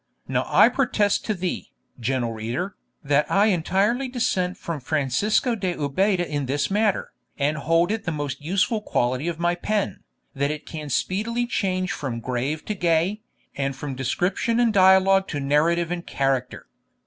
Now I protest to thee, gentle reader, that I entirely dissent from Francisco de Ubeda in this matter, and hold it the most useful quality of my pen, that it can speedily change from grave to gay, and from description and dialogue to narrative and character.